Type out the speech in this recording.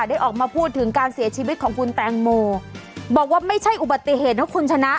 ได้ออกมาพูดถึงการเสียชีวิตของคุณแตงโมบอกว่าไม่ใช่อุบัติเหตุนะคุณชนะ